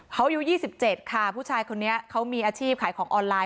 เขาอายุ๒๗ค่ะผู้ชายคนนี้เขามีอาชีพขายของออนไลน